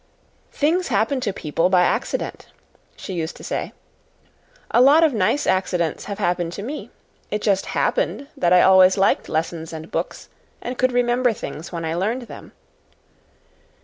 "Things happen to people by accident," she used to say. "A lot of nice accidents have happened to me. It just HAPPENED that I always liked lessons and books, and could remember things when I learned them.